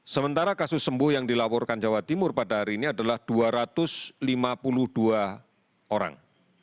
sementara kasus sembuh yang dilaporkan jawa timur pada hari ini adalah dua ratus lima puluh dua orang